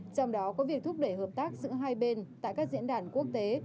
trong đó có việc thúc đẩy hợp tác giữa hai bên tại các diễn đàn quốc tế